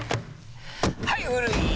はい古い！